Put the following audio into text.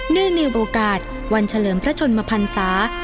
เนื่องนิวโอกาสวันเฉลิมพระชนมพันธ์สา